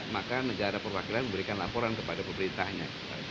maka negara perwakilan memberikan laporan kepada pemerintahnya